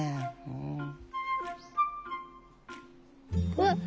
うわっ！